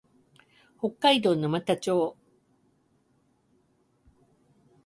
北海道沼田町